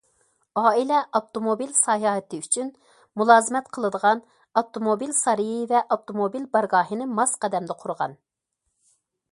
ئائىلە ئاپتوموبىل ساياھىتى ئۈچۈن مۇلازىمەت قىلىدىغان ئاپتوموبىل سارىيى ۋە ئاپتوموبىل بارگاھىنى ماس قەدەمدە قۇرغان.